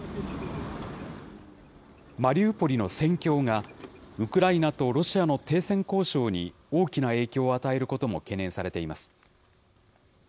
マリウポリの戦況が、ウクライナとロシアの停戦交渉に大きな影響を与えることも懸念されています。